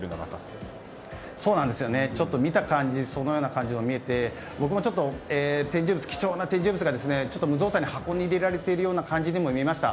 見た感じそのような感じにも見えて僕もちょっと、貴重な展示物が無造作に箱に入れられているような感じもしました。